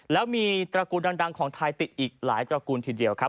แล้วมีตระกูลดังของไทยติดอีกหลายตระกูลทีเดียวครับ